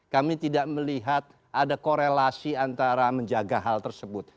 kami tidak melihat ada korelasi antara menjaga hal tersebut